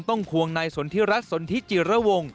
ต้องควงนายสนธิรัฐสนธิจิรวงศ์